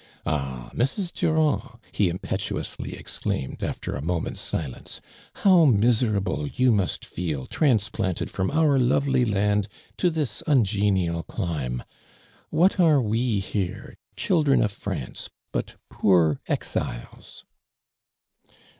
" Ah, Mrs. Durand," he imi)etuously ex claimed, after a moment's silence, " how miserable you must feel transplanted from our lovely land to this ungenial clime I What are We here, children of Fiance, but poor exiles?'"